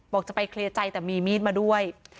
จะไปเคลียร์ใจแต่มีมีดมาด้วย